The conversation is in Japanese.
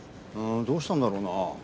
どうしたんだろうなぁ。